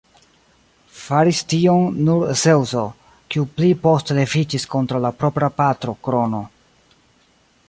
Faris tion nur Zeŭso, kiu pli poste leviĝis kontraŭ la propra patro Krono.